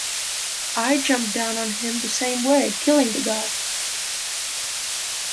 I jumped down on him the same way, killing the guy.